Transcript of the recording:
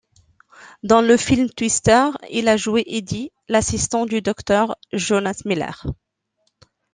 Dans le film Twister, il a joué Eddie, l'assistant du Dr Jonas Miller.